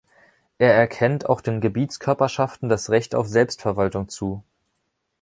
Er erkennt auch den Gebietskörperschaften das Recht auf Selbstverwaltung zu.